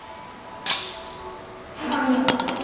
相模湾でとれた。